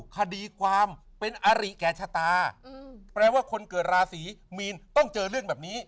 คดีความเป็นอริแก่ชะตาแปลว่าคนเกิดราศีมีนต้องเจอเรื่องแบบนี้